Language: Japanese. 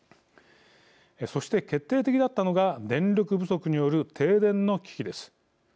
そして、決定的だったのが電力不足による停電の危機です。